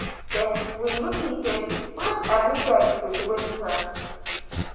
This we repeated almost every day through the winter.